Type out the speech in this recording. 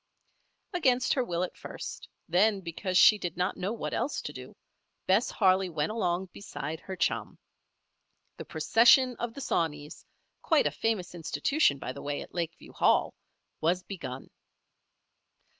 Against her will at first, then because she did not know what else to do, Bess Harley went along beside her chum. "The Procession of the Sawneys" quite a famous institution, by the way, at Lakeview Hall was begun.